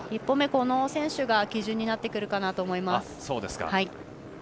１本目、この選手が基準になってくるかと思います。